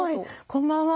「こんばんは。